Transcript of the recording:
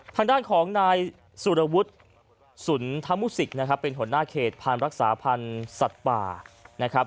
ทางด้านของนายสุรวุฒิสุนทมุสิกนะครับเป็นหัวหน้าเขตพันธ์รักษาพันธุ์สัตว์ป่านะครับ